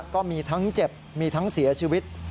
ก็มีทั้งเจ็บมีทั้งเสียชีวิต